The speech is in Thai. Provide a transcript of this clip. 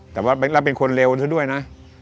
แต่ว่าเราเป็นคนเร็วซะด้วยนะ